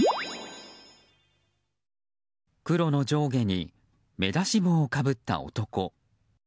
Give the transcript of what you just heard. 黒の上下に目出し帽をかぶった男。